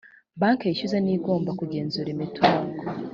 banki yishyuza niyo igomba kugenzura imitungo